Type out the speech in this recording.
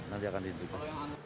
ya nanti akan dihentikan